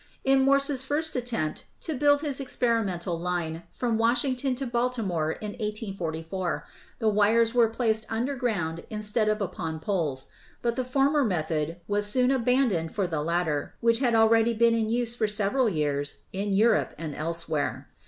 In Morse's first attempt to build his experimental line from Washington to Baltimore in 1844, the wires were ^placed underground instead of upon poles ; but the former method was soon abandoned for the latter, which had already been in use for several years in Europe and else where.